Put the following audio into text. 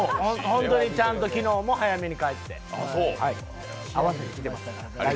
ちゃんと昨日も早めに帰って合わせてきてます。